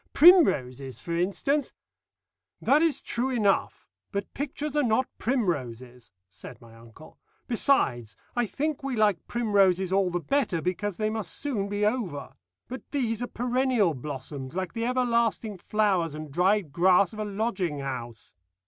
Primroses, for instance " "That is true enough, but pictures are not primroses," said my uncle. "Besides, I think we like primroses all the better because they must soon be over; but these are perennial blossoms, like the everlasting flowers and dried grass of a lodging house.